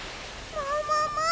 ももも！？